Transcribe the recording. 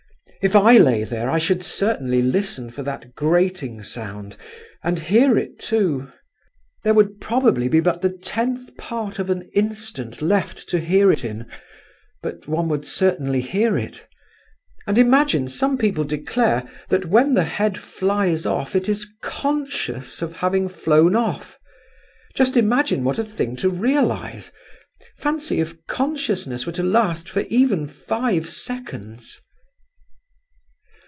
If I lay there, I should certainly listen for that grating sound, and hear it, too! There would probably be but the tenth part of an instant left to hear it in, but one would certainly hear it. And imagine, some people declare that when the head flies off it is conscious of having flown off! Just imagine what a thing to realize! Fancy if consciousness were to last for even five seconds!